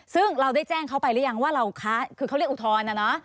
ซึ่งเราได้แจ้งเขาไปหรือยังว่าเราค้าคือเขาเรียกอุทธรณ์นะเนาะ